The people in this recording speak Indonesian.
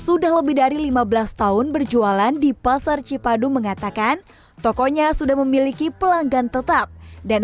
sudah lebih dari lima belas tahun berjualan di pasar cipadu mengatakan tokonya sudah memiliki pelanggan tetap dan